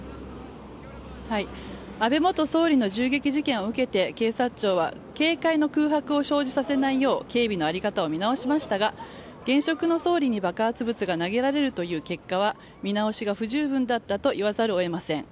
安倍元総理の銃撃事件を受けて警察庁は警戒の空白を生じさせないよう警備の在り方を見直しましたが現職の総理に爆発物が投げられるという結果は見直しが不十分だっと言わざるを得ません。